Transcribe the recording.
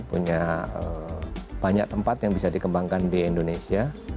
punya banyak tempat yang bisa dikembangkan di indonesia